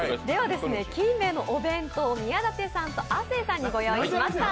金兵衛のお弁当を宮舘さんと亜生さんに用意しました。